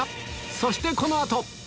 そしてこの後え！